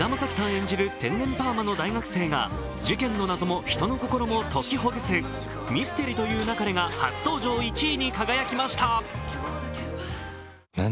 演じる天然パーマの大学生が事件の謎も人の心も解きほぐす、「ミステリと言う勿れ」が初登場１位に輝きました。